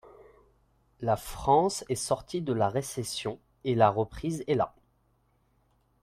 La France est sortie de la récession, et la reprise est là